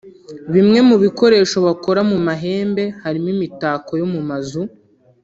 Bimwe mu bikoresho bakora mu mahembe harimo imitako yo mu mazu